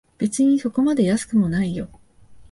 別にそこまで安くもないよ